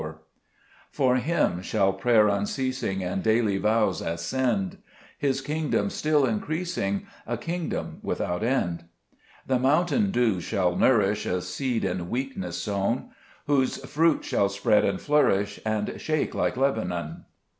4i Zfte Mcdt Cburcb Ib^mns* 4 For Him shall prayer unceasing And daily vows ascend ; His kingdom still increasing, A kingdom without end : The mountain dews shall nourish A seed in weakness sown, Whose fruit shall spread and flourish, And shake like Lebanon.